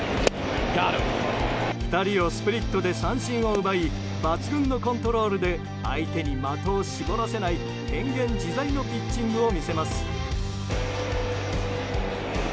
２人をスプリットで三振を奪い抜群のコントロールで相手に的を絞らせない変幻自在のピッチングを見せます。